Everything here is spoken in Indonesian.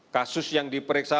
kasus yang diperiksa